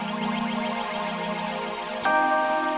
jadi paling tidak untuk sekarang